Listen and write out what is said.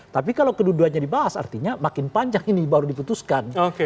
tapi kalau kedua duanya dibahas artinya makin panjang ini baru diputuskan